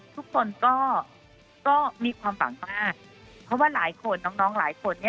ทุกคนก็มีความหวังมากเพราะว่าหลายคนน้องหลายคนเนี่ย